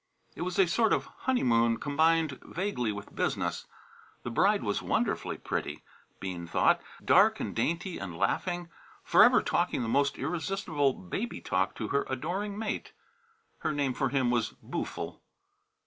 It was a sort of honeymoon combined vaguely with business. The bride was wonderfully pretty, Bean thought; dark and dainty and laughing, forever talking the most irresistible "baby talk" to her adoring mate. Her name for him was "Boo'ful."